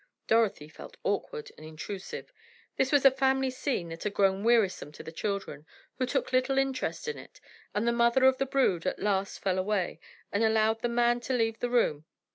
Dorothy felt awkward and intrusive. This was a family scene that had grown wearisome to the children, who took little interest in it, and the mother of the brood at last fell away, and allowed the man to leave the room.